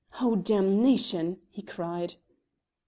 "Oh, damnation!" he cried.